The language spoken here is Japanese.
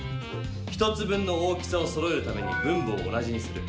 １つ分の大きさをそろえるために分母を同じにする。